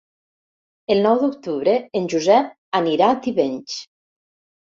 El nou d'octubre en Josep anirà a Tivenys.